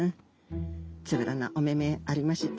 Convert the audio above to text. つぶらなおめめありまして。